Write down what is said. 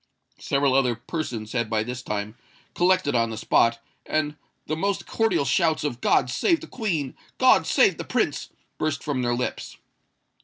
Several other persons had by this time collected on the spot; and the most cordial shouts of "God save the Queen!" "God save the Prince!" burst from their lips.